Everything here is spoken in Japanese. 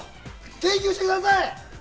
検挙してください！